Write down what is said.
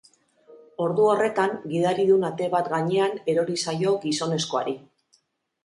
Ordu horretan, gidaridun ate bat gainean erori zaio gizonezkoari.